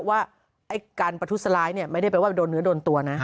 ว่าการประทุษร้ายไม่ได้แปลว่าโดนเนื้อโดนตัวนะ